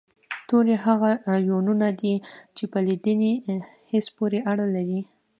توري هغه يوونونه دي چې په لیدني حس پورې اړه لري